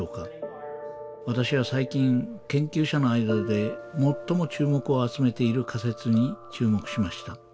私は最近研究者の間で最も注目を集めている仮説に注目しました。